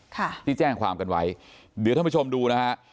ค่ะที่แจ้งความกันไว้เดี๋ยวท่านผู้ชมดูนะฮะ